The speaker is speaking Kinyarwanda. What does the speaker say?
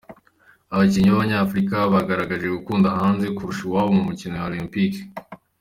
Abakinnyi b’Abanyafurika bagaragaje gukunda hanze kurusha iwabo Mumikino Ya Olempike